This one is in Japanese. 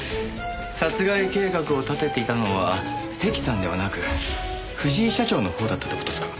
殺害計画を立てていたのは関さんではなく藤井社長の方だったって事ですか？